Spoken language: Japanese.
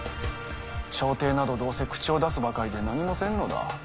朝廷などどうせ口を出すばかりで何もせぬのだ。